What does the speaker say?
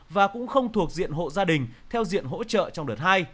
và cũng không thuộc diện hộ gia đình theo diện hỗ trợ trong đợt hai